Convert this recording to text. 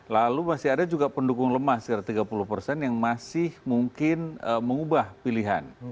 lalu masih ada juga pendukung lemah sekitar tiga puluh persen yang masih mungkin mengubah pilihan